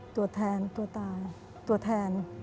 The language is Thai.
ตัวแทนตัวตายตัวแทน